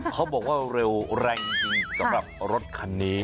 เขาบอกว่าเร็วแรงจริงสำหรับรถคันนี้